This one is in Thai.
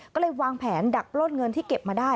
ก็เลยวางแผนดักปล้นเงินที่เก็บมาได้